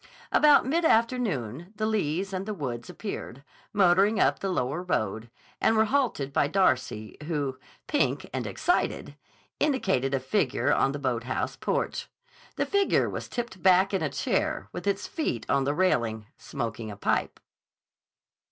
About mid afternoon the Lees and the Woods appeared, motoring up the lower road, and were halted by Darcy, who, pink and excited, indicated a figure on the boathouse porch. The figure was tipped back in a chair, with its feet on the railing, smoking a pipe.